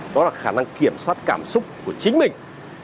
đó là khả năng kiểm soát cảm xúc của chính mình